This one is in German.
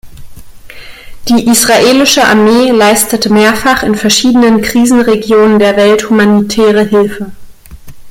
Die israelische Armee leistete mehrfach in verschiedenen Krisenregionen der Welt humanitäre Hilfe.